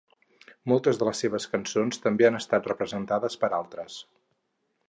Moltes de les seves cançons també han estat representades per altres.